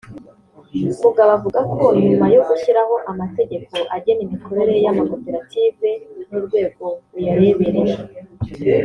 Mugabo avuga ko nyuma yo gushyiraho amategeko agena imikorere y’amakoperative n’urwego ruyareberera